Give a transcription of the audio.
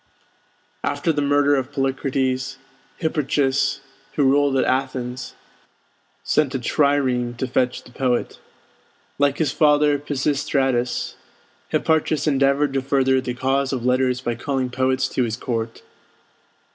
After the murder of Polycrates, Hipparchus, who ruled at Athens, sent a trireme to fetch the poet. Like his father Pisistratus, Hipparchus endeavored to further the cause of letters by calling poets to his court.